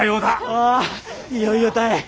ああいよいよたい。